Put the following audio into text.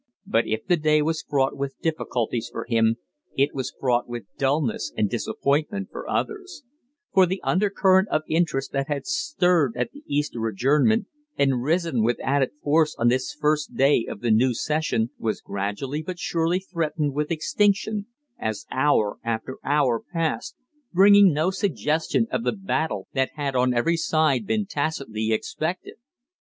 But if the day was fraught with difficulties for him, it was fraught with dulness and disappointment for others; for the undercurrent of interest that had stirred at the Easter adjournment, and risen with added force on this first day of the new session, was gradually but surely threatened with extinction, as hour after hour passed, bringing no suggestion of the battle that had on every side been tacitly expected.